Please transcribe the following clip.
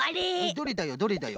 どれだよどれだよ？